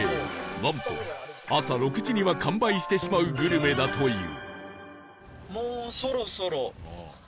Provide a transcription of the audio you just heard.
なんと朝６時には完売してしまうグルメだという